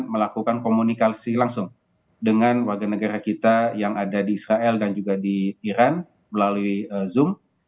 melakukan komunikasi langsung dengan warga negara kita yang ada di israel dan juga di iran melalui zoom